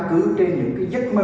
căn cứ trên những cái giấc mơ